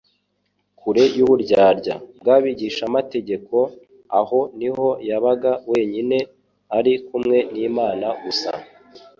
kure y'uburyarya bw'abigishamategeko, aho ni ho yabaga wenyine, ari kumwe n'Imana gusa.